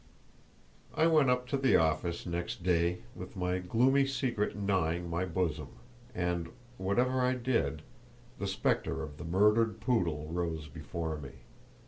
I went up to the office next day with my gloomy secret gnawing my bosom, and, whatever I did, the spectre of the murdered poodle rose before me.